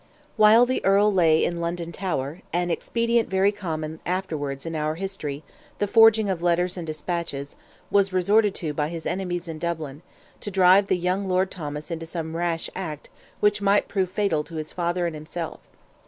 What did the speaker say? While the Earl lay in London Tower, an expedient very common afterwards in our history—the forging of letters and despatches—was resorted to by his enemies in Dublin, to drive the young Lord Thomas into some rash act which might prove fatal to his father and himself.